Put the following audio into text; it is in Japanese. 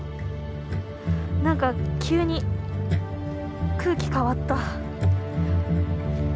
何か急に空気変わった。